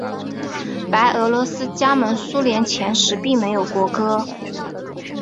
白俄罗斯加盟苏联前时并没有国歌。